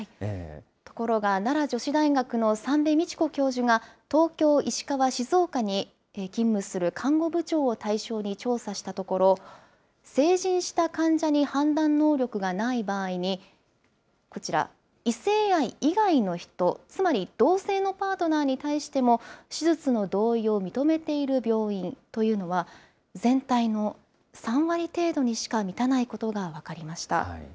ところが、奈良女子大学の三部倫子教授が東京、石川、静岡に勤務する看護部長を対象に調査したところ、成人した患者に判断能力がない場合に、こちら、異性愛以外の人、つまり同性のパートナーに対しても、手術の同意を認めている病院というのは、全体の３割程度にしか満たないことが分かりました。